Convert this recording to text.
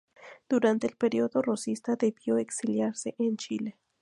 Durante el período rosista debió exiliarse en Chile.